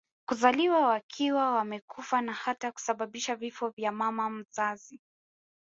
kuzaliwa wakiwa wamekufa na hata kusababisha vifo vya mama wazazi